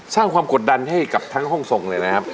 สร้างความกดดันให้กับทั้งห้องทรงเลยนะครับ